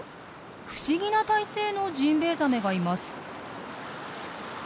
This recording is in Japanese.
不思議な体勢のジンベエザメがいます。